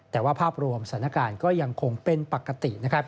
แต่ว่าภาพรวมสถานการณ์ก็ยังคงเป็นปกตินะครับ